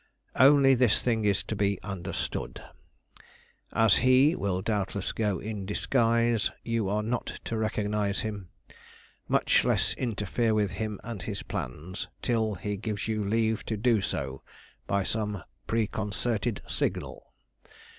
Only this thing is to be understood: as he will doubtless go in disguise, you are not to recognize him, much less interfere with him and his plans, till he gives you leave to do so, by some preconcerted signal.